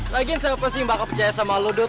lagian siapa sih yang bakal percaya sama lu dut